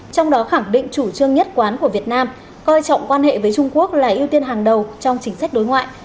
trong đó khẳng định chủ trương nhất quán của việt nam coi trọng quan hệ với trung quốc là ưu tiên hàng đầu trong chính sách đối ngoại